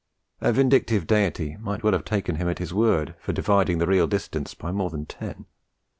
A vindictive Deity might well have taken him at his word, for dividing the real distance by more than ten.